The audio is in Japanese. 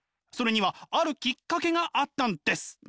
それにはあるきっかけがあったんです。